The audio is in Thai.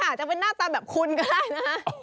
อาจจะเป็นหน้าตาแบบคุณก็ได้นะ